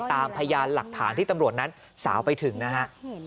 พยานหลักฐานที่ตำรวจนั้นสาวไปถึงนะฮะ